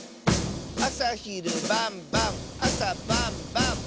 「あさひるばんばんあさばんばん！」